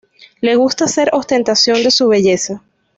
Le gusta hacer ostentación de su belleza.